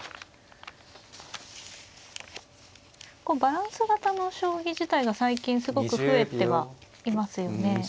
こうバランス型の将棋自体が最近すごく増えてはいますよね。